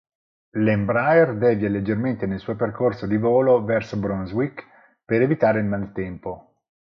L'Embraer devia leggermente nel suo percorso di volo verso Brunswick per evitare il maltempo.